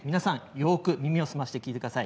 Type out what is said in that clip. よく耳を澄まして聞いてください。